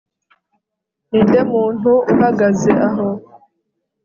Ninde muntu uhagaze aho